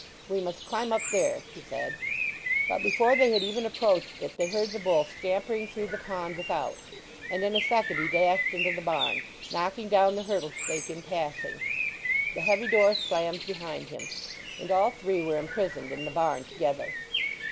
"We must climb up there," she said. But before they had even approached it they heard the bull scampering through the pond without, and in a second he dashed into the barn, knocking down the hurdle stake in passing; the heavy door slammed behind him; and all three were imprisoned in the barn together.